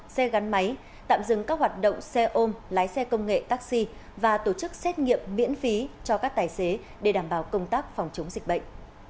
xe gắn máy tạm dừng các hoạt động xe ôm lái xe công nghệ taxi và tổ chức xét nghiệm miễn phí cho các tài xế để đảm bảo công tác phòng chống dịch bệnh